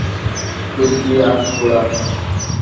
Whisky আর soda.